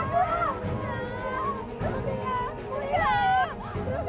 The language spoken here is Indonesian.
dia sudah saya amatkan